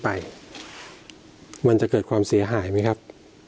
ไปมันจะเกิดความเสียหายไหมครับ